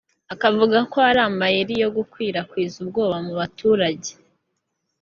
akavuga ko “ari amayeri yo gukwirakwiza ubwoba mu baturage”